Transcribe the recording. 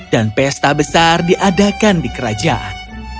dan pesta besar diadakan di kerajaan